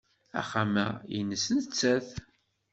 Axxam-a nnes nettat.